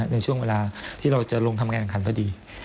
ในช่วงเวลาที่เราจะลงทำงานขันพอดี